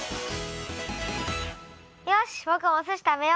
よしぼくもおすし食べよ。